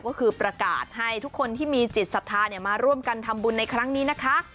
ก็คือประกาศให้ทุกคนที่มีจิตศรัทธามาร่วมกันทำบุญในครั้งนี้นะคะ